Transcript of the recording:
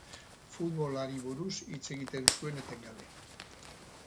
Futbolari buruz hitz egiten zuen etengabe.